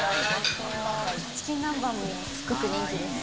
チキン南蛮もすごく人気です。